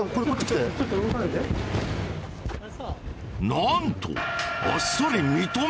なんと。